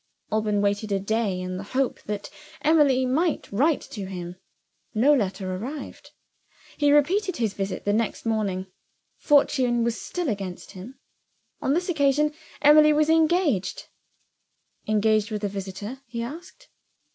Alban waited a day, in the hope that Emily might write to him. No letter arrived. He repeated his visit the next morning. Fortune was still against him. On this occasion, Emily was engaged. "Engaged with a visitor?" he asked.